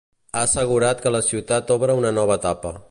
Ha assegurat que la ciutat obre una nova etapa.